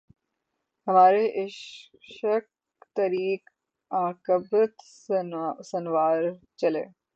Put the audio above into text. ہمارے اشک تری عاقبت سنوار چلے